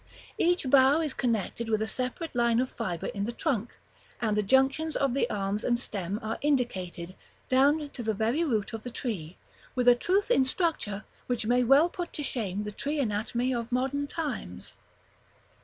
Each bough is connected with a separate line of fibre in the trunk, and the junctions of the arms and stem are indicated, down to the very root of the tree, with a truth in structure which may well put to shame the tree anatomy of modern times.